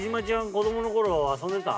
子供の頃遊んでた？